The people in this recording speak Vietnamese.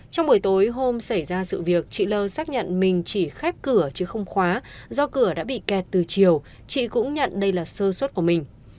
trong buổi tối hôm xảy ra sự việc chị lơ xác nhận mình chỉ khép cửa chứ không khóa do cửa đã bị kẹt từ chiều chị cũng nhận đây là sơ xuất của mình